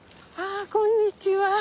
あこんにちは。